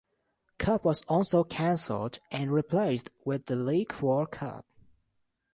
Cup was also cancelled and replaced with the League War Cup.